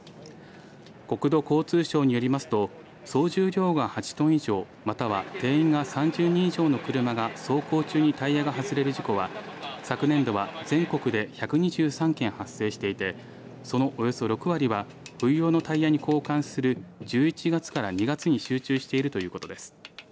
国土交通省によりますと総重量が８トン以上または定員が３０人以上の車が走行中にタイヤが外れる事故は昨年度は、全国で１２３件発生していてそのおよそ６割は冬用のタイヤに交換する１１月から２月に集中しているということです。